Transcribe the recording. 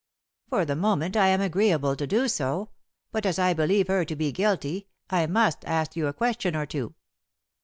"For the moment I am agreeable to do so. But as I believe her to be guilty, I must ask you a question or two."